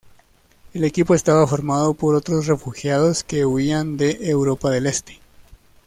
El equipo estaba formado por otros refugiados que huían de Europa del Este.